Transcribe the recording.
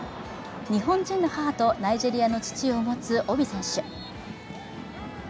日本人の母とナイジェリア人の父を持つオビ選手。